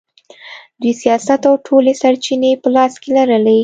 دوی سیاست او ټولې سرچینې په لاس کې لري.